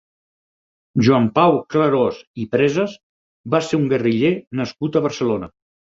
Joan Pau Clarós i Presas va ser un guerriller nascut a Barcelona.